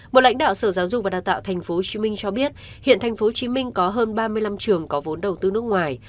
một lãnh đạo sở giáo dục và đào tạo tp hcm cho biết hiện tp hcm có hơn ba mươi năm trường có vốn đầu tư nước ngoài